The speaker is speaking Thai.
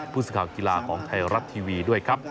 ผู้สื่อข่าวกีฬาของไทยรัฐทีวีด้วยครับ